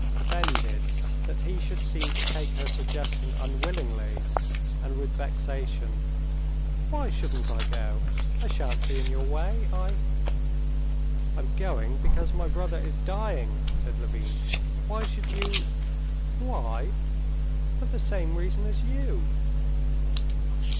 offended that he should seem to take her suggestion unwillingly and with vexation. "Why shouldn't I go? I shan't be in your way. I...." "I'm going because my brother is dying," said Levin. "Why should you...." "Why? For the same reason as you."